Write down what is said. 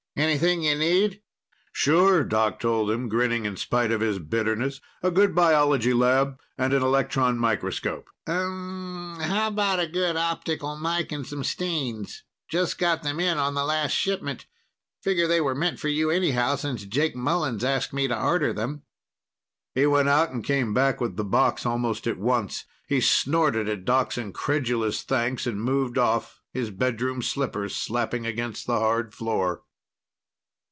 Anything you need?" "Sure," Doc told him, grinning in spite of his bitterness. "A good biology lab and an electron microscope." "Umm. How about a good optical mike and some stains? Just got them in on the last shipment. Figure they were meant for you anyhow, since Jake Mullens asked me to order them." He went out and came back with the box almost at once. He snorted at Doc's incredulous thanks and moved off, his bedroom slippers slapping against the hard floor.